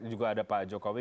juga ada pak jokowi